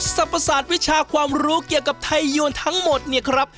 ประสาทวิชาความรู้เกี่ยวกับไทยยวนทั้งหมดเนี่ยครับ